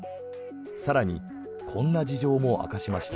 更にこんな事情も明かしました。